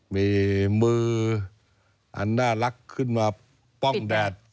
มีมืออันน่ารักขึ้นมาป้องแดด